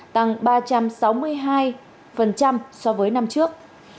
tăng ba trăm sáu mươi hai so với năm trước